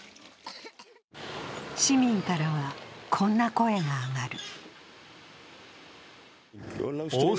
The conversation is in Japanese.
市民からは、こんな声が上がる。